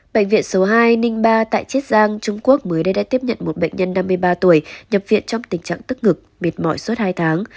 bệnh viện số hai trăm linh ba tại chiết giang trung quốc mới đây đã tiếp nhận một bệnh nhân năm mươi ba tuổi nhập viện trong tình trạng tức ngực mệt mỏi suốt hai tháng